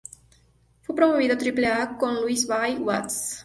Fue promovido a Triple-A con Louisville Bats.